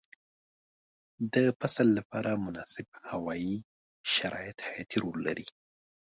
د فصل لپاره مناسب هوايي شرایط حیاتي رول لري.